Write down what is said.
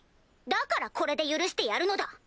だからこれで許してやるのだ。